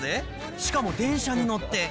しかも電車にのって。